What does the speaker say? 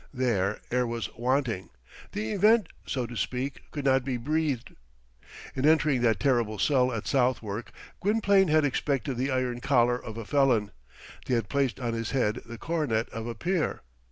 There air was wanting. The event, so to speak, could not be breathed. In entering that terrible cell at Southwark, Gwynplaine had expected the iron collar of a felon; they had placed on his head the coronet of a peer.